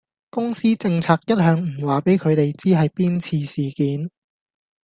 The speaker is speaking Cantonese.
公司政策一向唔話俾佢地知係邊次事件